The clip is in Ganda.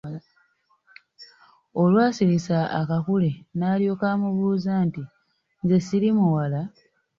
Olwasirisa akakule n’alyoka amubuuza nti "Nze siri muwala".